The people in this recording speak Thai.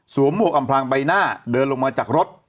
หมวกอำพลางใบหน้าเดินลงมาจากรถ